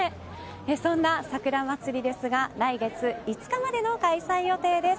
そんなさくら祭ですが来月５日までの開催予定です。